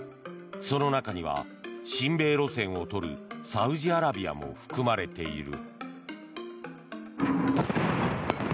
その中には、親米路線をとるサウジアラビアも含まれている。